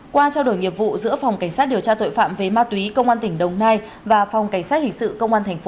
qua trao đổi nghiệp vụ giữa phòng cảnh sát điều tra tội phạm về ma túy công an tỉnh đồng nai và phòng cảnh sát hình sự công an tp hcm